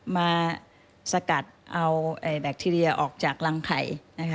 มาสกัดเอาแบคทีเรียออกจากรังไข่